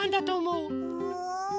うん。